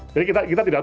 jadi kita tidak